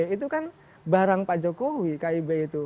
itu kan barang pak jokowi kib itu